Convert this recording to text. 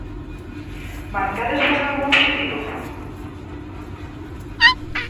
Marcádesvos algún obxectivo?